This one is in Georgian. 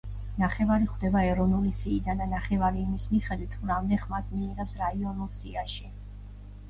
ნახევარი ხვდება ეროვნული სიიდან და ნახევარი იმის მიხედვით თუ რამდენ ხმას მიიღებს რაიონულ სიაში.